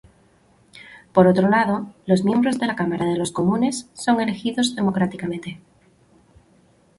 Por otro lado, los miembros de la Cámara de los Comunes son elegidos democráticamente.